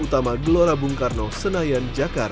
dan berusaha setiap hari